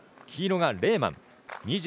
黄色がレーマン。